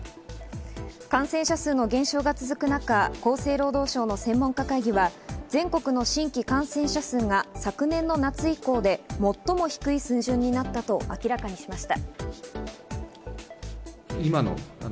感染者数の減少が続く中、厚生労働省の専門家会議は全国の新規感染者数が昨年の夏以降で最も低い水準になったと明らかにしました。